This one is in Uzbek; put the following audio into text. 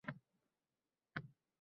— Aybim shund